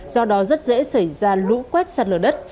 do đó rất dễ xảy ra lũ quét sạt lở đất